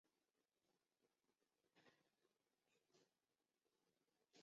适应症包含妊娠高血压以及。